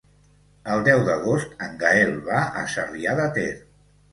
El deu d'agost en Gaël va a Sarrià de Ter.